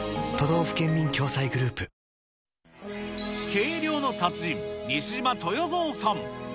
計量の達人、西島豊造さん。